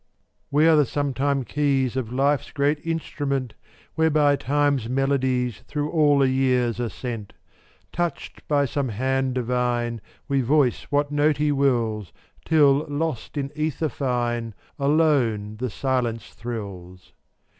409 We are the sometime keys (Dttt At* Of life's great instrument, rn Whereby Time's melodies \£&' Through all the years are sent. ftUYkCr Touched by some hand divine, J We voice what note He wills, Till, lost in ether fine, Alone the silence thrills.